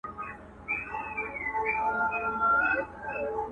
نن مي له زلمیو په دې خپلو غوږو واورېده٫